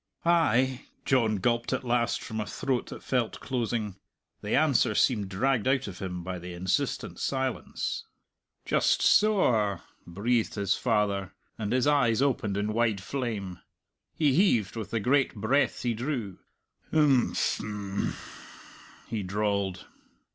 "Ay," John gulped at last from a throat that felt closing. The answer seemed dragged out of him by the insistent silence. "Just so a!" breathed his father, and his eyes opened in wide flame. He heaved with the great breath he drew.... "Im phm!" he drawled.